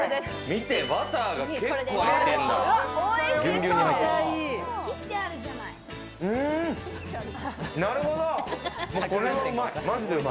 バターが結構入ってるんだ。